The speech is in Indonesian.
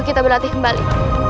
ayo kita berlatih kembali